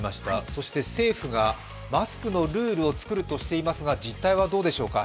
そして政府がマスクのルールを作るとしていますが実態はどうでしょうか。